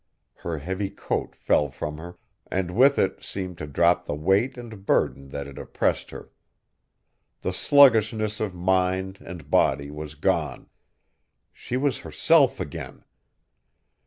Her heavy coat fell from her, and with it seemed to drop the weight and burden that had oppressed her. The sluggishness of mind and body was gone. She was herself again!